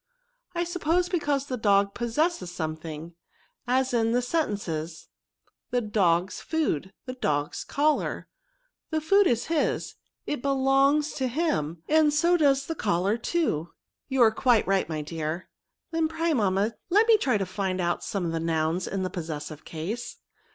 " I suppose because the dog possesses something ; as, in the sentences, ^ the dog's food,' ' the dog*s collar :' the food is his ; it belongs to him, and so does the collar too." *' You are quite right, my dear." *' Then pray, mamma, let me try to find out some nouns in the possessive case.